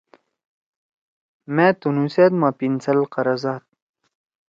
مأ تُنُو سأت ما پنسل قرَضاد۔